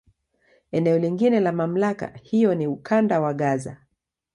Eneo lingine la MamlakA hiyo ni Ukanda wa Gaza.